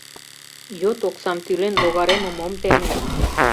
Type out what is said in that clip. Йот оксам тӱлен, логаремым ом теме.